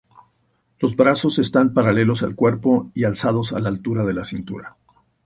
Los brazos están paralelos al cuerpo y alzados a la altura de la cintura.